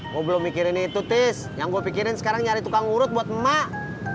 gue belum mikirin itu tis yang gue pikirin sekarang nyari tukang urut buat emak